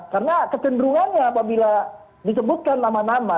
karena kekenderungannya apabila disebutkan nama nama